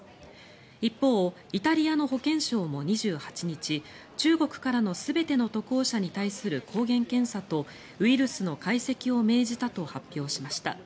一方、イタリアの保健相も２８日中国からの全ての渡航者に対する抗原検査とウイルスの解析を命じたと発表しました。